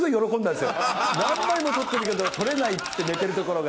何枚も撮ってるけど撮れないっつって寝てるところが。